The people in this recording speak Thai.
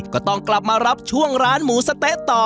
ก็ต้องกลับมารับช่วงร้านหมูสะเต๊ะต่อ